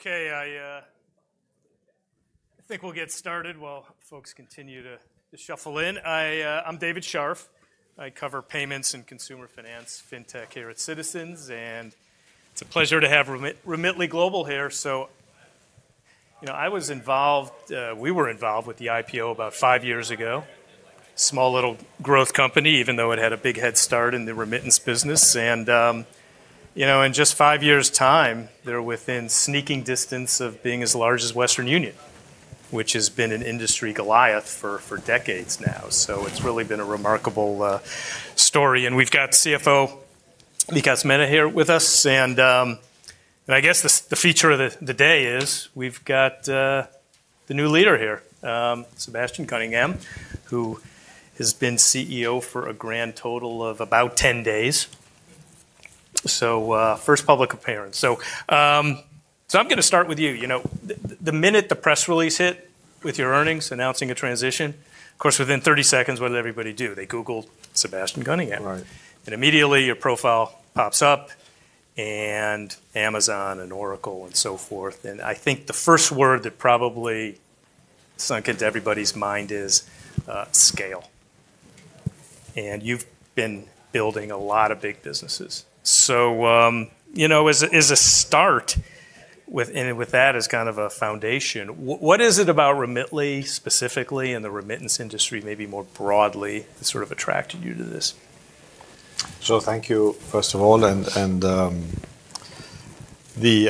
Okay, I think we'll get started while folks continue to shuffle in. I'm David Scharf. I cover payments and consumer finance, fintech here at Citizens, and it's a pleasure to have Remitly Global here. You know, I was involved. We were involved with the IPO about five years ago. Small little growth company, even though it had a big head start in the remittance business. You know, in just five years' time, they're within sneaking distance of being as large as Western Union, which has been an industry Goliath for decades now. It's really been a remarkable story. We've got CFO Vikas Mehta here with us. I guess the feature of the day is we've got the new leader here, Sebastian Gunningham, who has been CEO for a grand total of about 10 days. First public appearance. I'm gonna start with you. You know, the minute the press release hit with your earnings announcing a transition, of course, within 30 seconds, what did everybody do? They googled Sebastian Gunningham. Right. Immediately, your profile pops up, and Amazon and Oracle and so forth. I think the first word that probably sunk into everybody's mind is, scale. You've been building a lot of big businesses. You know, as a, as a start with, and with that as kind of a foundation, what is it about Remitly specifically and the remittance industry maybe more broadly that sort of attracted you to this? Thank you, first of all, and,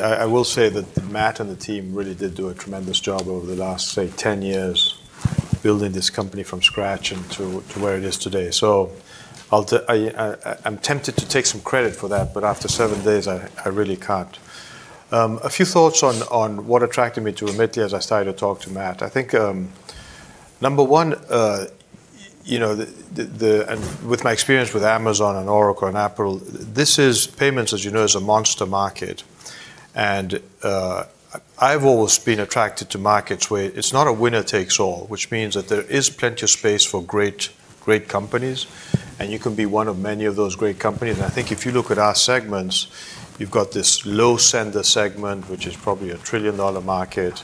I will say that Matt and the team really did do a tremendous job over the last, say, 10 years building this company from scratch and to where it is today. I'm tempted to take some credit for that, but after seven days, I really can't. A few thoughts on what attracted me to Remitly as I started to talk to Matt. I think, number one, you know, With my experience with Amazon and Oracle and Apple, this is. Payments, as you know, is a monster market. I've always been attracted to markets where it's not a winner takes all, which means that there is plenty of space for great companies, and you can be one of many of those great companies. I think if you look at our segments, you've got this low sender segment, which is probably a $1 trillion market.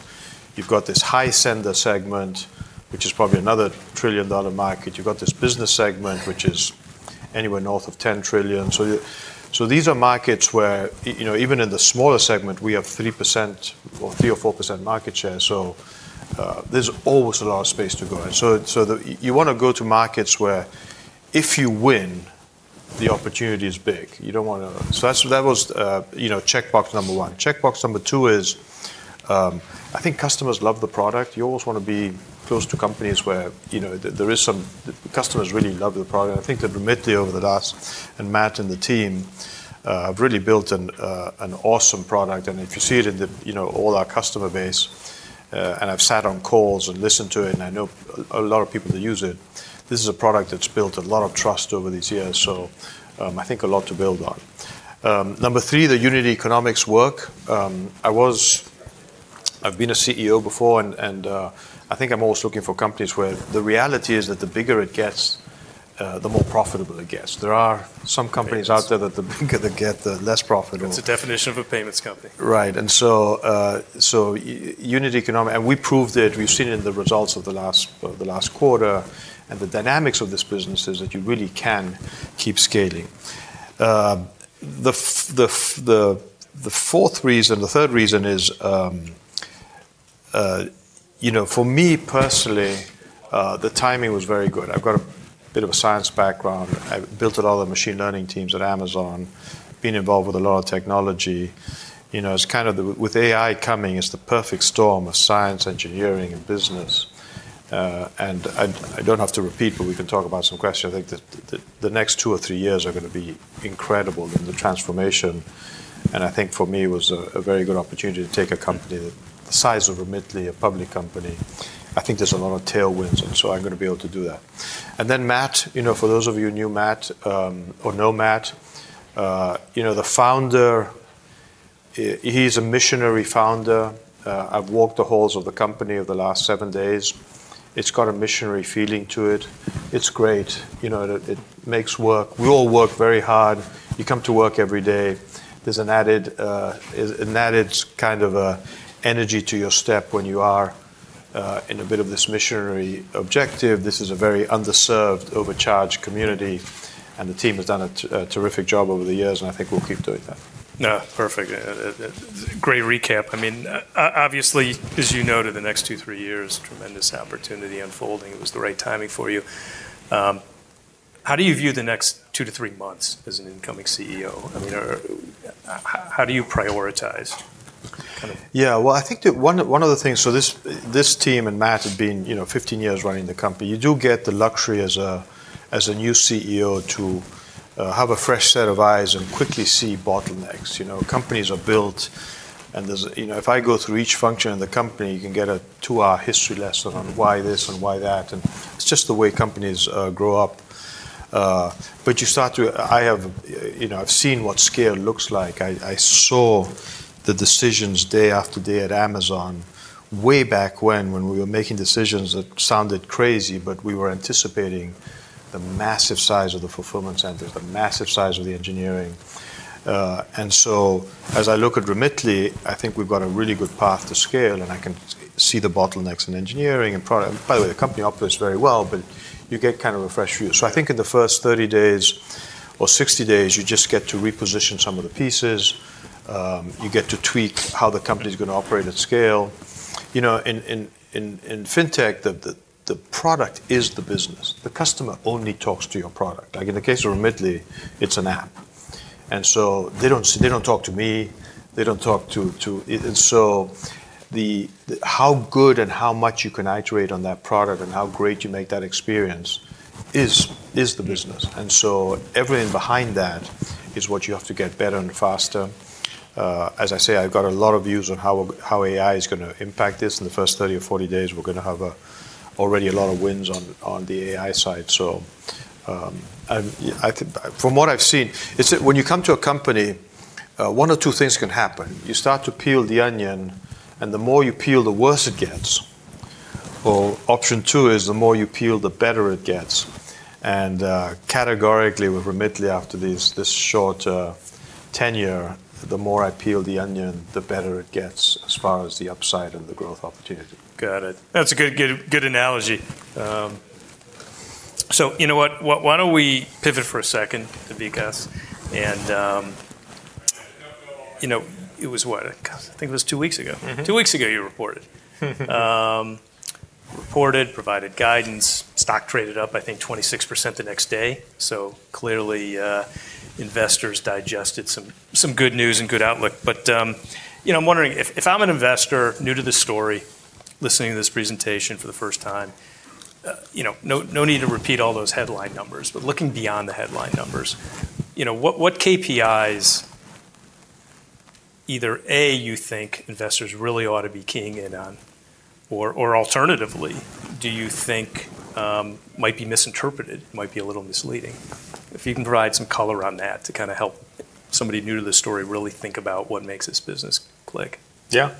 You've got this high sender segment, which is probably another $1 trillion market. You've got this business segment, which is anywhere north of $10 trillion. These are markets where you know, even in the smaller segment, we have 3% or 3% or 4% market share. There's always a lot of space to grow. You wanna go to markets where if you win, the opportunity is big. You don't wanna. That's, that was, you know, checkbox number one. Checkbox number two is, I think customers love the product. You always wanna be close to companies where, you know, there is some. The customers really love the product. I think that Remitly over the last. Matt and the team have really built an awesome product. If you see it in the, you know, all our customer base, and I've sat on calls and listened to it, and I know a lot of people that use it, this is a product that's built a lot of trust over these years, so, I think a lot to build on. Number three, the unit economics work. I've been a CEO before, and, I think I'm always looking for companies where the reality is that the bigger it gets, the more profitable it gets. There are some companies out there that the bigger they get, the less profitable. That's the definition of a payments company. Right. So unit economic... We proved it. We've seen it in the results of the last, the last quarter and the dynamics of this business is that you really can keep scaling. The fourth reason... The third reason is, you know, for me personally, the timing was very good. I've got a bit of a science background. I built out all the machine learning teams at Amazon, been involved with a lot of technology. You know, it's kind of the... With AI coming, it's the perfect storm of science, engineering, and business. I don't have to repeat, but we can talk about some questions. I think the next two or three years are gonna be incredible in the transformation. I think for me it was a very good opportunity to take a company the size of Remitly, a public company. I think there's a lot of tailwinds, I'm gonna be able to do that. Matt, you know, for those of you who knew Matt, or know Matt, you know, the founder, he's a missionary founder. I've walked the halls of the company over the last seven days. It's got a missionary feeling to it. It's great. You know, it makes work. We all work very hard. You come to work every day. There's an added kind of a energy to your step when you are in a bit of this missionary objective. This is a very underserved, overcharged community, and the team has done a terrific job over the years, and I think we'll keep doing that. No. Perfect. great recap. I mean, obviously, as you noted, the next two, three years, tremendous opportunity unfolding. It was the right timing for you. How do you view the next two to three months as an incoming CEO? I mean, or how do you prioritize kind of? Yeah. Well, I think that one of the things... This team and Matt have been, you know, 15 years running the company. You do get the luxury as a new CEO to have a fresh set of eyes and quickly see bottlenecks. You know, companies are built, and there's... You know, if I go through each function in the company, you can get a two-hour history lesson on why this and why that, and it's just the way companies grow up. You start to... I have... You know, I've seen what scale looks like. I saw the decisions day after day at Amazon way back when we were making decisions that sounded crazy, but we were anticipating the massive size of the fulfillment centers, the massive size of the engineering. As I look at Remitly, I think we've got a really good path to scale, and I can see the bottlenecks in engineering and product. By the way, the company operates very well, but you get kind of a fresh view. I think in the first 30 days or 60 days, you just get to reposition some of the pieces. You get to tweak how the company's gonna operate at scale. You know, in fintech, the product is the business. The customer only talks to your product. Like in the case of Remitly, it's an app. They don't talk to me, they don't talk to. The, how good and how much you can iterate on that product and how great you make that experience is the business. Everything behind that is what you have to get better and faster. As I say, I've got a lot of views on how AI is gonna impact this in the first 30 or 40 days. We're gonna have already a lot of wins on the AI side. I think, from what I've seen, it's when you come to a company, one of two things can happen. You start to peel the onion, and the more you peel, the worse it gets. Option two is the more you peel, the better it gets. Categorically with Remitly after this short tenure, the more I peel the onion, the better it gets as far as the upside and the growth opportunity. Got it. That's a good, good analogy. You know what? Why, why don't we pivot for a second to Vikash? You know, it was what? I think it was two weeks ago. Mm-hmm. Two weeks ago you reported. Reported, provided guidance, stock traded up, I think, 26% the next day. Clearly, investors digested some good news and good outlook. You know, I'm wondering if I'm an investor new to the story, listening to this presentation for the first time, you know, no need to repeat all those headline numbers, but looking beyond the headline numbers, you know, what KPIs either, A, you think investors really ought to be keying in on or alternatively do you think might be misinterpreted, might be a little misleading? If you can provide some color on that to kinda help somebody new to the story really think about what makes this business click. Yeah.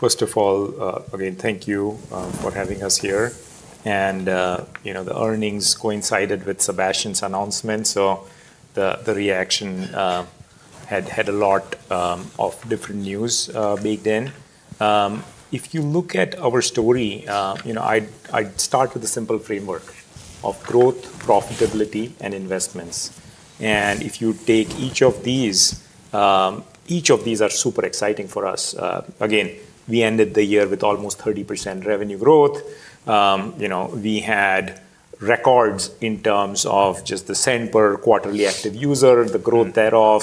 First of all, again, thank you for having us here. You know, the earnings coincided with Sebastian's announcement, so the reaction had a lot of different news baked in. If you look at our story, you know, I'd start with a simple framework of growth, profitability and investments. If you take each of these, each of these are super exciting for us. Again, we ended the year with almost 30% revenue growth. You know, we had records in terms of just the send per quarterly active user, the growth thereof.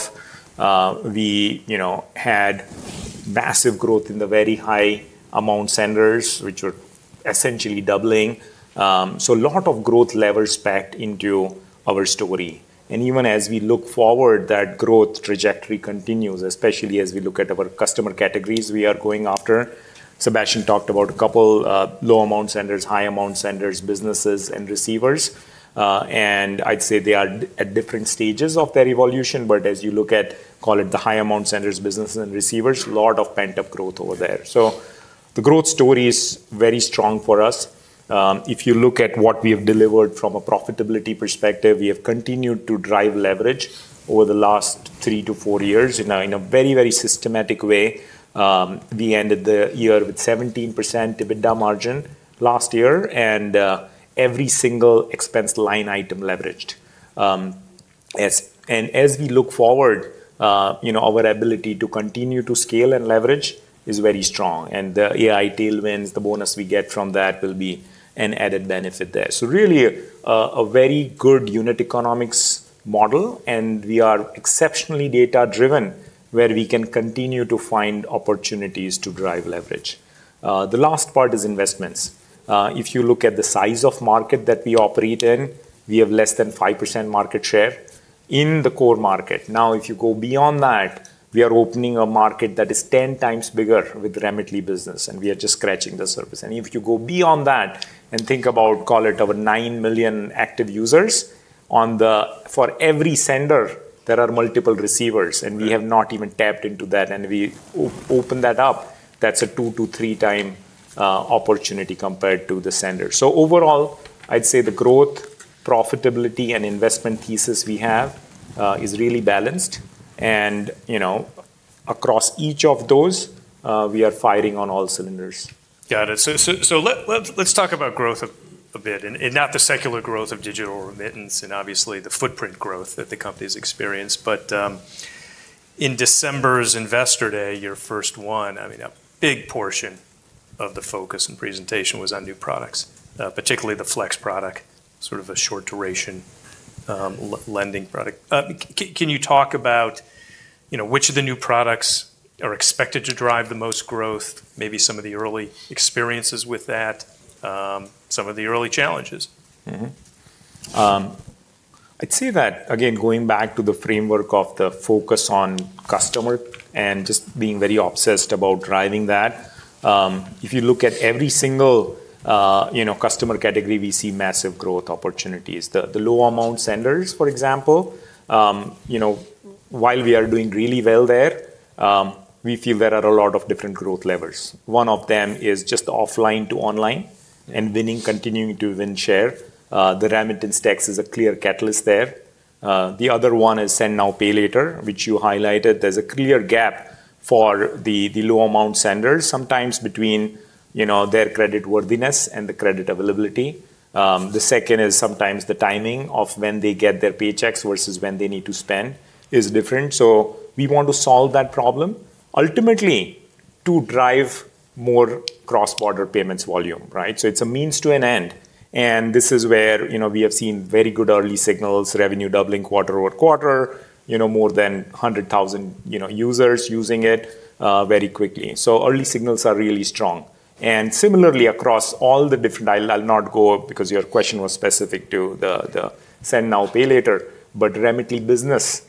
We, you know, had massive growth in the very high amount senders, which were essentially doubling. A lot of growth levers packed into our story. Even as we look forward, that growth trajectory continues, especially as we look at our customer categories we are going after. Sebastian talked about a couple, low amount senders, high amount senders, businesses and receivers. I'd say they are at different stages of their evolution, but as you look at, call it the high amount senders, businesses and receivers, a lot of pent-up growth over there. The growth story is very strong for us. If you look at what we have delivered from a profitability perspective, we have continued to drive leverage over the last three to four years in a very, very systematic way. We ended the year with 17% EBITDA margin last year and every single expense line item leveraged. As we look forward, you know, our ability to continue to scale and leverage is very strong. The AI tailwinds, the bonus we get from that will be an added benefit there. Really a very good unit economics model, and we are exceptionally data-driven where we can continue to find opportunities to drive leverage. The last part is investments. If you look at the size of market that we operate in, we have less than 5% market share in the core market. If you go beyond that, we are opening a market that is 10 times bigger with Remitly business, and we are just scratching the surface. If you go beyond that and think about, call it our 9 million active users on the... For every sender there are multiple receivers, and we have not even tapped into that. We open that up, that's a two to three times opportunity compared to the sender. Overall, I'd say the growth, profitability and investment thesis we have is really balanced. You know, across each of those, we are firing on all cylinders. Got it. Let's talk about growth a bit and not the secular growth of digital remittance and obviously the footprint growth that the company has experienced. In December's Investor Day, your first one, I mean, a big portion of the focus and presentation was on new products, particularly the Flex product, sort of a short duration lending product. Can you talk about, you know, which of the new products are expected to drive the most growth, maybe some of the early experiences with that, some of the early challenges? I'd say that again, going back to the framework of the focus on customer and just being very obsessed about driving that, if you look at every single, you know, customer category, we see massive growth opportunities. The low amount senders, for example, you know, while we are doing really well there, we feel there are a lot of different growth levers. One of them is just offline to online and winning, continuing to win share. The remittance tax is a clear catalyst there. The other one is send now, pay later, which you highlighted. There's a clear gap for the low amount senders, sometimes between, you know, their creditworthiness and the credit availability. The second is sometimes the timing of when they get their paychecks versus when they need to spend is different. We want to solve that problem ultimately to drive more cross-border payments volume, right? It's a means to an end, and this is where, you know, we have seen very good early signals, revenue doubling quarter-over-quarter, you know, more than 100,000, you know, users using it very quickly. Early signals are really strong. Similarly across all the different... I'll not go because your question was specific to the Send now, pay later, but Remitly for Business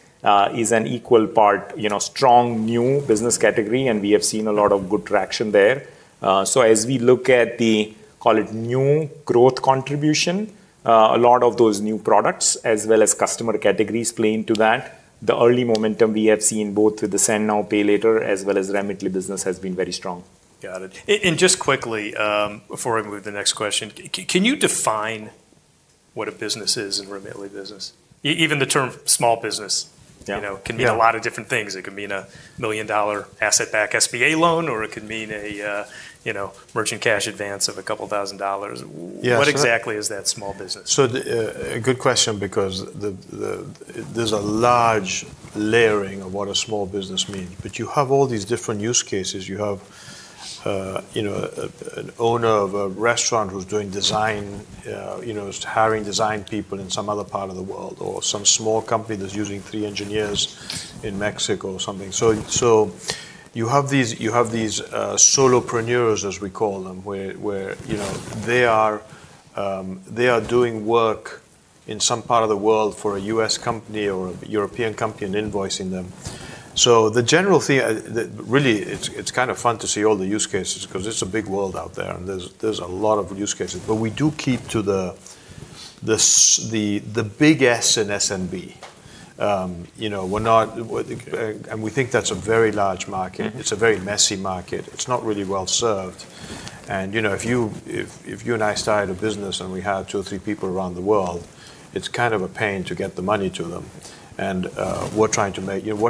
is an equal part, you know, strong new business category, and we have seen a lot of good traction there. As we look at the, call it, new growth contribution, a lot of those new products as well as customer categories play into that. The early momentum we have seen both with the Send now, pay later, as well as Remitly Business has been very strong. Got it. Just quickly, before I move to the next question, can you define what a business is in Remitly for Business? Even the term small business... Yeah. You know, can mean a lot of different things. It could mean a million-dollar asset-backed SBA loan, or it could mean a, you know, merchant cash advance of $2,000. Yeah. What exactly is that small business? A good question because there's a large layering of what a small business means. You have all these different use cases. You have, you know, an owner of a restaurant who's doing design, you know, is hiring design people in some other part of the world or some small company that's using three engineers in Mexico or something. You have these solopreneurs, as we call them, where, you know, they are doing work in some part of the world for a U.S. company or a European company and invoicing them. The general thing that really it's kind of fun to see all the use cases because it's a big world out there and there's a lot of use cases. We do keep to the big S in SMB. you know, we're not... we think that's a very large market. Mm-hmm. It's a very messy market. It's not really well-served. You know, if you and I started a business and we had two or three people around the world, it's kind of a pain to get the money to them. You know, we're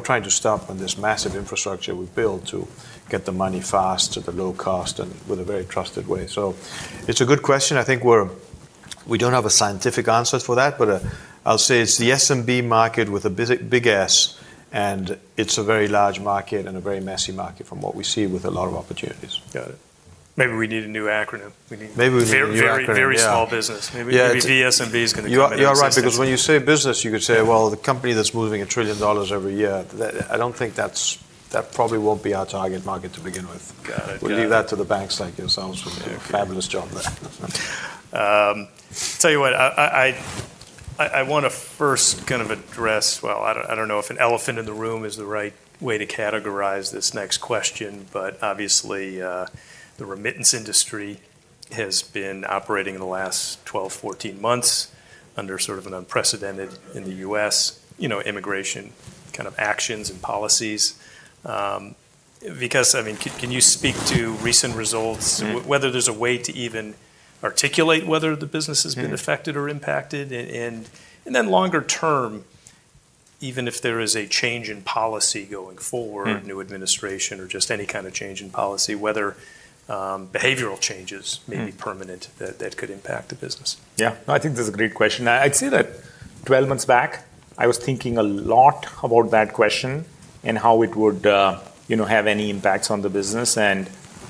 trying to stop on this massive infrastructure we've built to get the money fast at a low cost and with a very trusted way. It's a good question. We don't have a scientific answer for that, but I'll say it's the SMB market with a big S. It's a very large market and a very messy market from what we see with a lot of opportunities. Got it. Maybe we need a new acronym. Maybe we need a new acronym, yeah. Very, very, very small business. Yeah. Maybe VSMB is gonna come out of this session. You are right because when you say business, you could say, well, the company that's moving $1 trillion every year, that I don't think that's... That probably won't be our target market to begin with. Got it. Yeah. We'll leave that to the banks, like yourself. Okay. Fabulous job there. Tell you what, I wanna first kind of address. Well, I don't know if an elephant in the room is the right way to categorize this next question, but obviously, the remittance industry has been operating in the last 12, 14 months under sort of an unprecedented in the U.S., you know, immigration kind of actions and policies. Because I mean, can you speak to recent results? Mm. Whether there's a way to even articulate whether the business has been affected or impacted and then longer term, even if there is a change in policy going forward. Mm. New administration or just any kind of change in policy, whether, behavioral changes... Mm. May be permanent that could impact the business. Yeah. I think that's a great question. I'd say that 12 months back, I was thinking a lot about that question and how it would, you know, have any impacts on the business.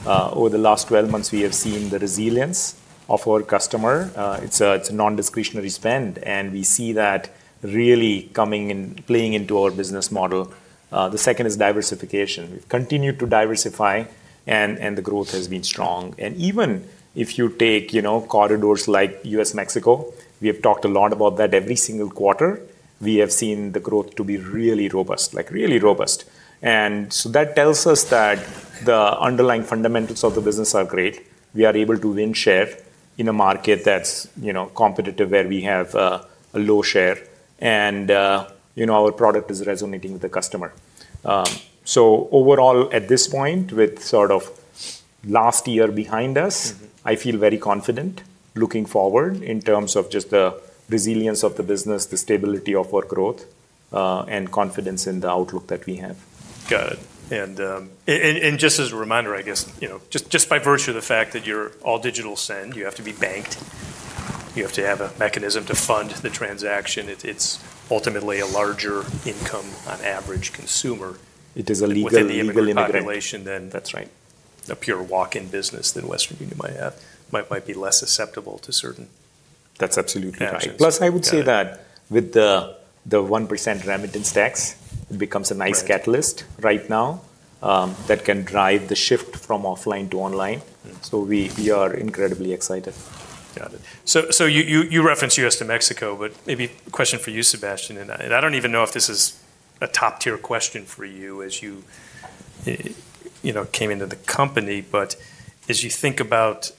Over the last 12 months, we have seen the resilience of our customer. It's a, it's a non-discretionary spend, and we see that really coming and playing into our business model. The second is diversification. We've continued to diversify and the growth has been strong. Even if you take, you know, corridors like U.S.-Mexico, we have talked a lot about that every single quarter. We have seen the growth to be really robust, like really robust. That tells us that the underlying fundamentals of the business are great. We are able to win share in a market that's, you know, competitive, where we have, a low share and, you know, our product is resonating with the customer. Overall, at this point, with sort of last year behind us. Mm-hmm. I feel very confident looking forward in terms of just the resilience of the business, the stability of our growth, and confidence in the outlook that we have. Got it. Just as a reminder, I guess, you know, just by virtue of the fact that you're all digital send, you have to be banked, you have to have a mechanism to fund the transaction. It's ultimately a larger income on average consumer. It is a legal immigrant. Within the immigrant population. That's right. A pure walk-in business than Western Union might have. Might be less susceptible to certain- That's absolutely right. Actions. Got it. Plus, I would say that with the 1% remittance tax, it becomes a nice- Right. Catalyst right now, that can drive the shift from offline to online. Mm. We are incredibly excited. Got it. You referenced U.S. to Mexico, but maybe a question for you, Sebastian, and I don't even know if this is a top-tier question for you as you know, came into the company. As you think about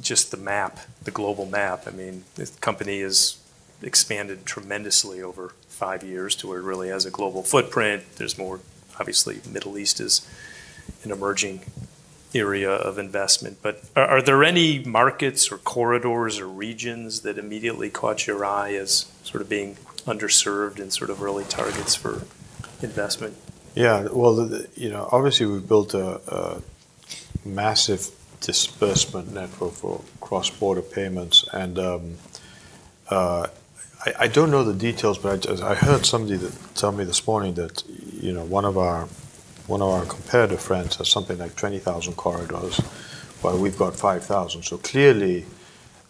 just the map, the global map, I mean, the company is expanded tremendously over five years to where it really has a global footprint. There's more... Obviously, Middle East is an emerging area of investment. Are there any markets or corridors or regions that immediately caught your eye as sort of being underserved and sort of early targets for investment? Yeah. Well, you know, obviously, we've built a massive disbursement network for cross-border payments. I don't know the details, but I just heard somebody that tell me this morning that, you know, one of our comparative friends has something like 20,000 corridors, while we've got 5,000. Clearly,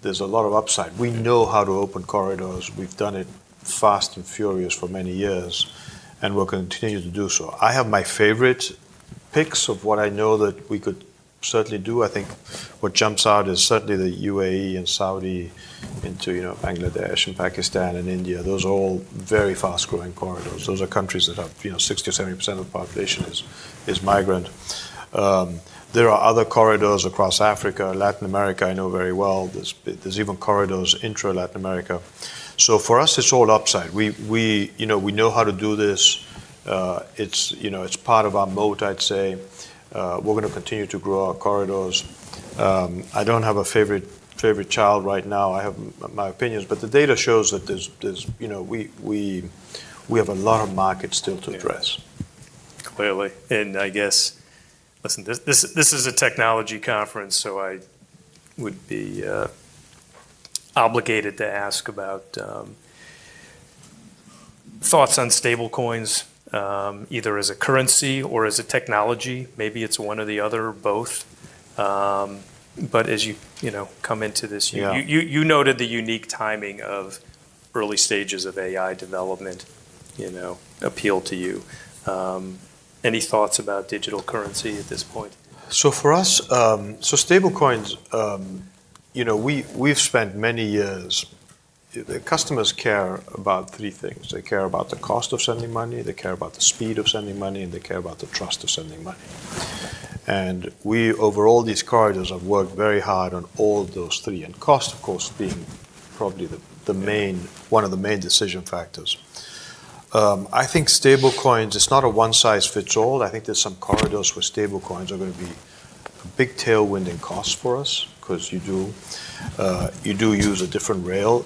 there's a lot of upside. We know how to open corridors. We've done it fast and furious for many years, and we're continuing to do so. I have my favorite picks of what I know that we could certainly do. I think what jumps out is certainly the UAE and Saudi into, you know, Bangladesh and Pakistan and India. Those are all very fast-growing corridors. Those are countries that have, you know, 60% to 70% of the population is migrant. There are other corridors across Africa. Latin America, I know very well. There's even corridors intra-Latin America. For us, it's all upside. We, you know, we know how to do this. It's, you know, it's part of our moat, I'd say. We're gonna continue to grow our corridors. I don't have a favorite child right now. I have my opinions, but the data shows that there's, you know, we have a lot of markets still to address. Yeah. Clearly. I guess, listen, this is a technology conference, so I would be obligated to ask about thoughts on stablecoins, either as a currency or as a technology. Maybe it's one or the other or both. As you know, come into this year. Yeah. You noted the unique timing of early stages of AI development, you know, appeal to you. Any thoughts about digital currency at this point? For us, stablecoins, you know, we've spent many years... The customers care about three things. They care about the cost of sending money, they care about the speed of sending money, and they care about the trust of sending money. We, over all these corridors, have worked very hard on all those three, and cost, of course, being probably the main, one of the main decision factors. I think stablecoins, it's not a one size fits all. I think there's some corridors where stablecoins are gonna be a big tailwind in cost for us because you do use a different rail.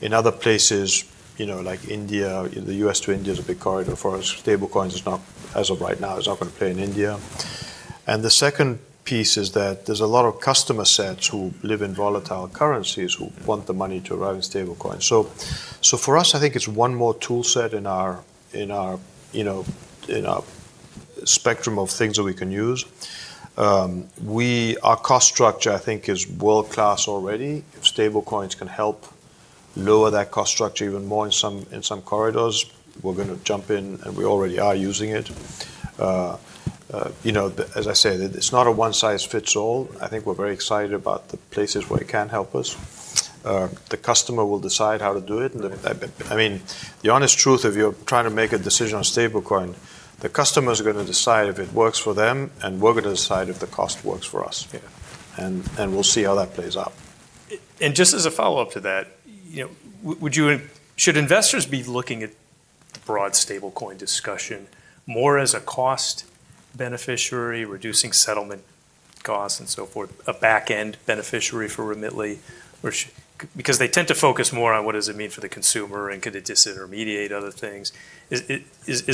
In other places, you know, like India, the US to India is a big corridor for us. Stablecoins is not, as of right now, is not gonna play in India. The second piece is that there's a lot of customer sets who live in volatile currencies who want the money to arrive in stablecoins. For us, I think it's one more tool set in our, in our, you know, in our spectrum of things that we can use. Our cost structure, I think, is world-class already. If stablecoins can help lower that cost structure even more in some, in some corridors, we're gonna jump in, and we already are using it. You know, the, as I said, it's not a one size fits all. I think we're very excited about the places where it can help us. The customer will decide how to do it. I mean, the honest truth, if you're trying to make a decision on stablecoin, the customers are gonna decide if it works for them, and we're gonna decide if the cost works for us. Yeah. We'll see how that plays out. Just as a follow-up to that, you know, Should investors be looking at the broad stablecoin discussion more as a cost beneficiary, reducing settlement costs and so forth, a back-end beneficiary for Remitly, or because they tend to focus more on what does it mean for the consumer and could it disintermediate other things? Is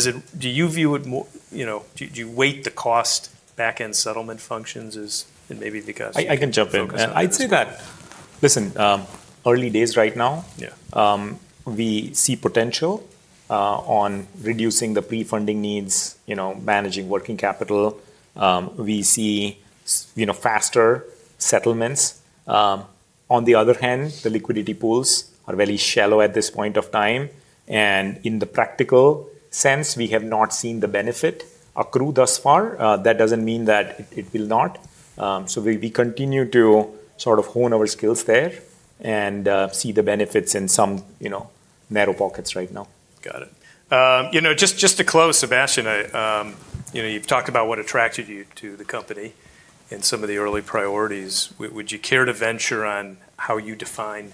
it, do you view it more, you know, do you weight the cost back-end settlement functions as maybe because? I can jump in. Okay. I'd say that, listen, early days right now. Yeah. We see potential on reducing the pre-funding needs, you know, managing working capital. We see you know, faster settlements. On the other hand, the liquidity pools are very shallow at this point of time. In the practical sense, we have not seen the benefit accrue thus far. That doesn't mean that it will not. We continue to sort of hone our skills there and see the benefits in some, you know, narrow pockets right now. Got it. You know, just to close, Sebastian, I, you know, you've talked about what attracted you to the company and some of the early priorities. Would you care to venture on how you define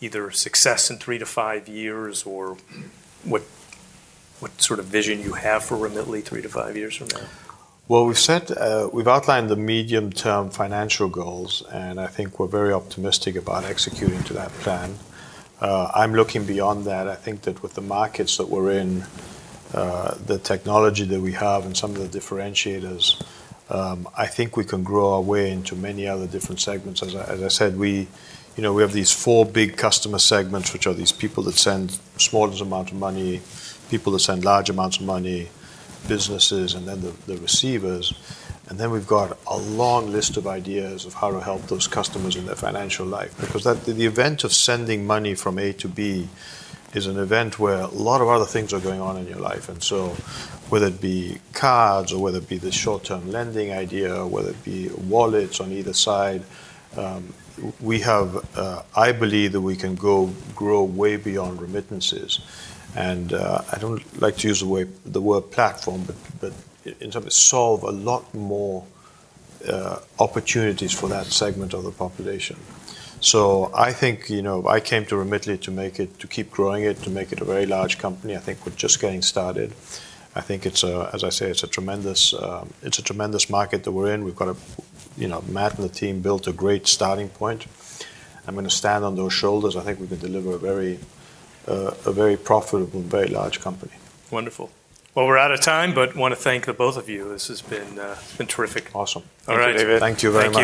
either success in three to five years or what sort of vision you have for Remitly three to five years from now? Well, we've set, we've outlined the medium-term financial goals, and I think we're very optimistic about executing to that plan. I'm looking beyond that. I think that with the markets that we're in, the technology that we have and some of the differentiators, I think we can grow our way into many other different segments. As I said, we, you know, we have these four big customer segments, which are these people that send small amounts of money, people that send large amounts of money, businesses, and then the receivers. We've got a long list of ideas of how to help those customers in their financial life. Because the event of sending money from A to B is an event where a lot of other things are going on in your life. Whether it be cards or whether it be the short-term lending idea, whether it be wallets on either side, we have, I believe that we can go grow way beyond remittances. I don't like to use the word platform, but in terms of solve a lot more opportunities for that segment of the population. I think, you know, I came to Remitly to make it, to keep growing it, to make it a very large company. I think we're just getting started. I think it's a, as I say, it's a tremendous, it's a tremendous market that we're in. We've got a, you know, Matt and the team built a great starting point. I'm gonna stand on those shoulders. I think we can deliver a very, a very profitable and very large company. Wonderful. Well, we're out of time, but wanna thank the both of you. This has been terrific. Awesome. All right. Thank you, David. Thank you very much.